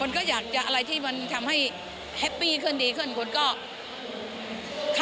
ก็อยากจะซื้อนู่นซื้อนี่กลับไปเยอะเลย